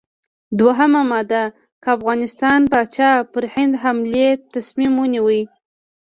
دوهمه ماده: که د افغانستان پاچا پر هند حملې تصمیم ونیو.